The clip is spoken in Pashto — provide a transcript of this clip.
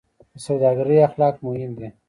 د سوداګرۍ اخلاق مهم دي